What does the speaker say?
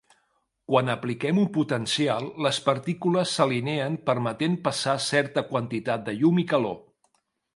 Quan apliquem un potencial, les partícules s'alineen permetent passar certa quantitat de llum i calor.